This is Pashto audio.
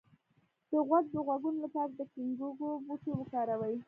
د غوږ د غږونو لپاره د ګینکګو بوټی وکاروئ